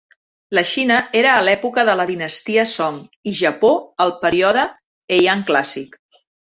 La Xina era a l'època de la dinastia Song i Japó al període Heian clàssic.